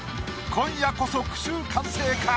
今夜こそ句集完成か？